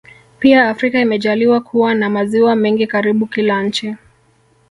Pia Afrika imejaliwa kuwa na maziwa mengi karibu kila nchi